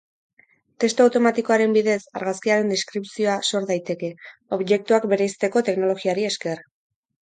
Testu automatikoaren bidez, argazkiaren deskripzioa sor daiteke, objektuak bereizteko teknologiari esker.